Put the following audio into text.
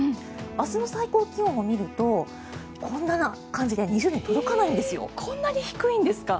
明日の最高気温を見るとこんな感じでこんなに低いんですか？